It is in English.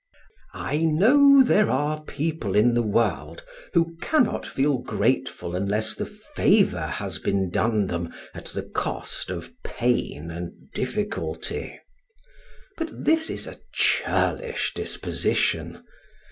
I know there are people in the world who cannot feel grateful unless the favour has been done them at the cost of pain and difficulty. But this is a churlish disposition.